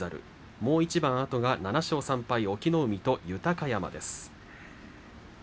もう一番あとが７勝３敗、隠岐の海と豊山です。